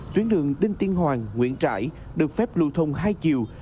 tuyến đường đinh tiên hoàng nguyễn trãi được phép lưu thông hai chiều